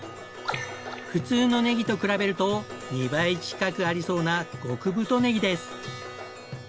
普通のねぎと比べると２倍近くありそうな極太ねぎです。